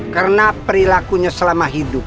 karena perilakunya selama hidup